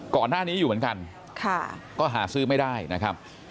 ก่อนหน้านี้อยู่เหมือนกันก็หาซื้อไม่ได้นะครับ